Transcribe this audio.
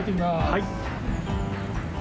はい。